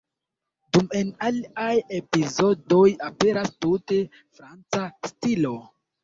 Dum en aliaj epizodoj aperas tute franca stilo.